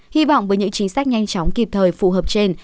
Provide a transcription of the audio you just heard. hy vọng với những chính sách nhanh chóng kịp thời phù hợp trên